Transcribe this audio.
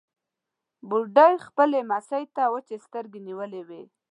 بوډۍ خپلې لمسۍ ته وچې سترګې نيولې وې.